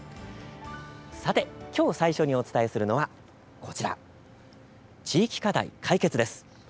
さてきょう最初にお伝えするのはこちら、地域課題カイケツです。